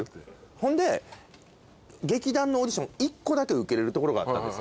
ほんで劇団のオーディション１個だけ受けれるところがあったんですよ。